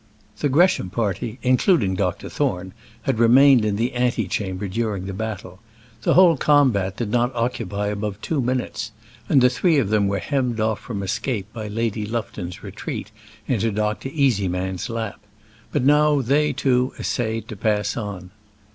The Gresham party, including Dr. Thorne, had remained in the ante chamber during the battle. The whole combat did not occupy above two minutes, and the three of them were hemmed off from escape by Lady Lufton's retreat into Dr. Easyman's lap; but now they, too, essayed to pass on.